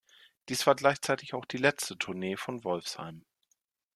Dies war gleichzeitig auch die letzte Tournee von Wolfsheim.